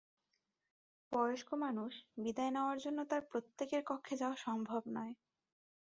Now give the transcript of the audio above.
বয়স্ক মানুষ, বিদায় নেওয়ার জন্য তাঁর প্রত্যেকের কক্ষে যাওয়া সম্ভব নয়।